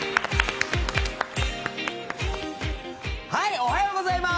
おはようございます！